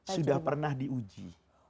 sudah pernah diuji